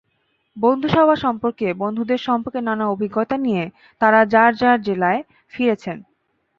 বন্ধুসভা সম্পর্কে, বন্ধুদের সম্পর্কে নানা অভিজ্ঞতা নিয়ে তাঁরা যাঁর যাঁর জেলায় ফিরেছেন।